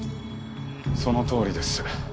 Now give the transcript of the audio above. そのとおりです。